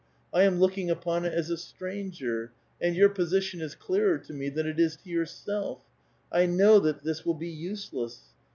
I am looking upon it as a stranger ; and your position is clearer to me than it is to yourself. I know that this will ^e useless.